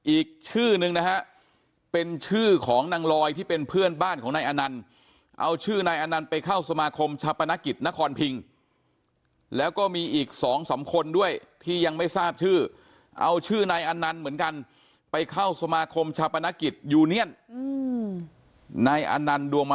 อีกชื่อนึงนะฮะเป็นชื่อของนางลอยที่เป็นเพื่อนบ้านของนายอนันต์เอาชื่อนายอนันต์ไปเข้าสมาคมชาปนกิจนครพิงแล้วก็มีอีกสองสามคนด้วยที่ยังไม่ทราบชื่อเอาชื่อนายอันนันต์เหมือนกันไปเข้าสมาคมชาปนกิจยูเนียนนายอนันดวงมา